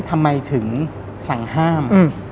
ทำไมถึงสั่งห้าม